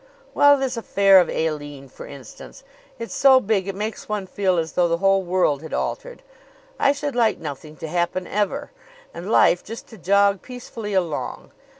"Well, this affair of Aline, for instance. It's so big it makes one feel as though the whole world had altered. I should like nothing to happen ever, and life just to jog peacefully along.